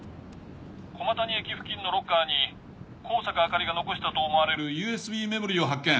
駒谷駅付近のロッカーに香坂朱里が残したと思われるＵＳＢメモリーを発見。